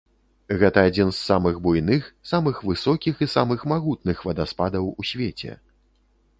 Гэта адзін з самых буйных, самых высокіх і самым магутных вадаспадаў у свеце.